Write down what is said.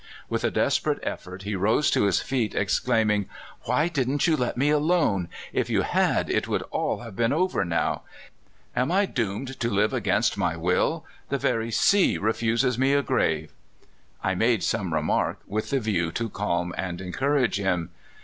With a des perate effort he rose to his feet, exclaiming :'* Why didn't you let me alone? If you had, it would all have been over now. Am I doomed to live against my will? The very sea refuses me a grave !" I made some remark, with the view to calm and encourage him.